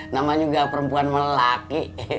nama juga perempuan melaki